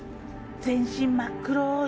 全身真っ黒い。